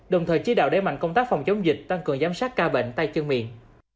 đồng thời chỉ đạo đẩy mạnh công tác phòng chống dịch tăng cường giám sát ca bệnh tay chân miệng